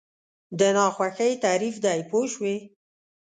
د ناخوښۍ تعریف دی پوه شوې!.